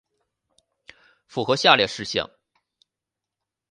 符合下列事项